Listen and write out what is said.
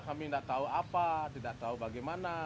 kami tidak tahu apa tidak tahu bagaimana